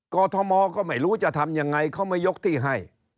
อทมก็ไม่รู้จะทำยังไงเขาไม่ยกที่ให้